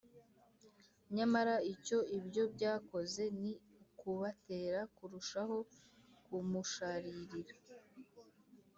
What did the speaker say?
nyamara icyo ibyo byakoze ni ukubatera kurushaho kumusharirira.